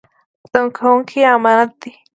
زده کوونکي يې امانت دي.